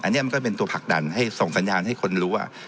อันนี้มันก็เป็นตัวผลักดันให้ส่งสัญญาณให้คนรู้ว่า